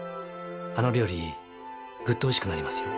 あの料理グッとおいしくなりますよ。